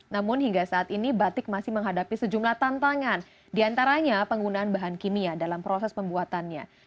namun hingga saat ini batik masih menghadapi sejumlah tantangan diantaranya penggunaan bahan kimia dalam proses pembuatannya